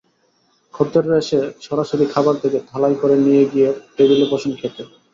খদ্দেররা এসে সরাসরি খাবার দেখে থালায় করে নিয়ে গিয়ে টেবিলে বসেন খেতে।